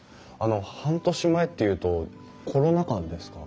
半年前っていうとコロナ禍ですか？